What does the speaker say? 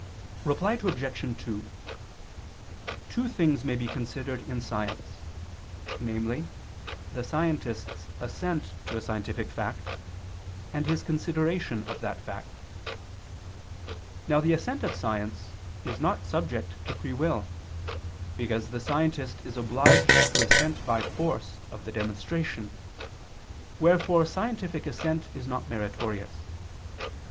Reply Obj. 2: Two things may be considered in science: namely the scientist's assent to a scientific fact and his consideration of that fact. Now the assent of science is not subject to free will, because the scientist is obliged to assent by force of the demonstration, wherefore scientific assent is not meritorious.